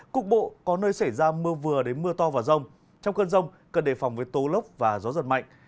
cục bộ có nơi xảy ra mưa vừa đến mưa to và rông trong cơn rông cần đề phòng với tố lốc và gió giật mạnh